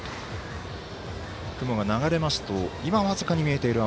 雲が流れますと、今僅かに見えています